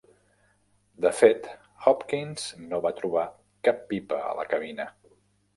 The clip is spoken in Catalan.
De fet, Hopkins no va trobar cap pipa a la cabina.